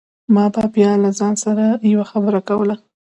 ما به بيا له ځان سره يوه خبره کوله.